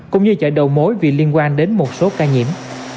cũng như chợ đầu mối vì liên quan đến một số ca nhiễm